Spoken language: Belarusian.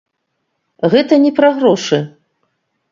Гэта не пра грошы.